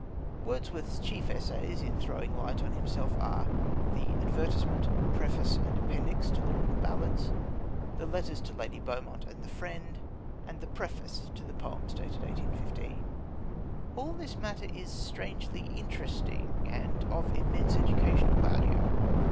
Wordsworth's chief essays in throwing light on himself are the "Advertisement," "Preface," and "Appendix" to Lyrical Ballads; the letters to Lady Beaumont and "the Friend" and the "Preface" to the Poems dated 1815. All this matter is strangely interesting and of immense educational value.